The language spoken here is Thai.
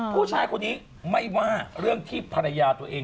ผู้ชายคนนี้ไม่ว่าเรื่องที่ภรรยาตัวเอง